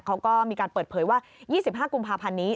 เขาก็มีการเปิดเผยว่า๒๕กุมภาพันธ์นี้